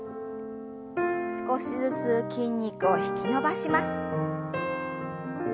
少しずつ筋肉を引き伸ばします。